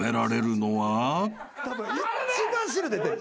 一番汁出てる。